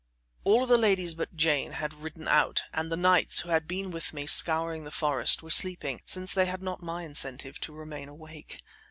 All the ladies but Jane had ridden out, and the knights who had been with me scouring the forest were sleeping, since they had not my incentive to remain awake.